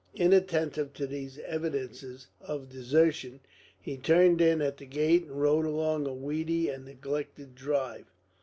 Inattentive to these evidences of desertion, he turned in at the gate and rode along a weedy and neglected drive.